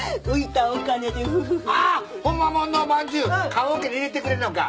棺おけに入れてくれるのか？